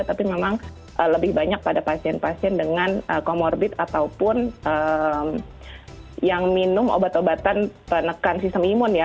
tapi memang lebih banyak pada pasien pasien dengan comorbid ataupun yang minum obat obatan penekan sistem imun ya